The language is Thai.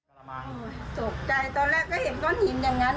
ละมังตกใจตอนแรกก็เห็นก้อนหินอย่างนั้น